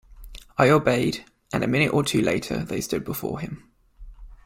I obeyed, and a minute or two later they stood before him.